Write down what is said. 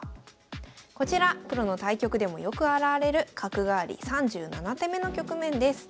こちらプロの対局でもよく現れる角換わり３７手目の局面です。